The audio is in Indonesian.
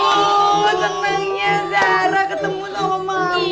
aduh senangnya zara ketemu sama mami